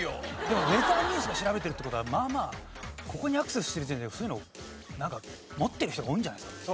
でもウェザーニュースが調べてるって事はまあまあここにアクセスしてる時点でそういうのなんか持ってる人が多いんじゃないですか？